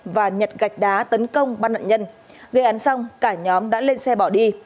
và nhặt gạch đá tấn công bắt nạn nhân gây án xong cả nhóm đã lên xe bỏ đi